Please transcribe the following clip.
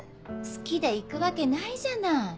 好きで行くわけないじゃない。